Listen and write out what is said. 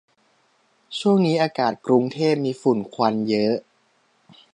ช่วงนี้อากาศกรุงเทพมีฝุ่นควันเยอะ